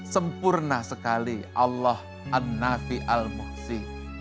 sempurna sekali allah an nafi al muhsi